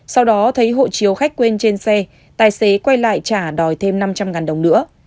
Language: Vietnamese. sau đó thấy hộ chiếu khách quên trên xe tài xế quay lại trả đòi thêm năm trăm linh đồng nữa